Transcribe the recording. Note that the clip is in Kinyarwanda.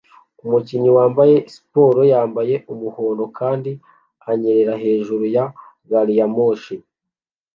Umukinnyi wambaye siporo yambaye umuhondo kandi anyerera hejuru ya gari ya moshi